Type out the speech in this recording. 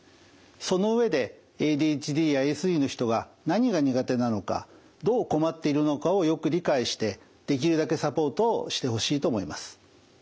その上でＡＤＨＤやＡＳＤの人が何が苦手なのかどう困っているのかをよく理解してできるだけサポートをしてほしいと思います。